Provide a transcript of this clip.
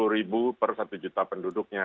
sepuluh ribu per satu juta penduduknya